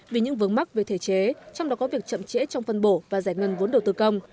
vì những vướng mắc về thể chế trong đó có việc chậm trễ trong phân bổ và giải ngân vốn đầu tư công